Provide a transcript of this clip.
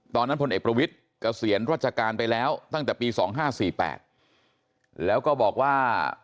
ตอนนั้นพลเอกประวิทย์เกษียณราชกาลไปแล้วตั้งแต่ปีสองห้าสี่แปดแล้วก็บอกว่า